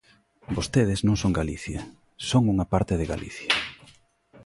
Vostedes non son Galicia, son unha parte de Galicia.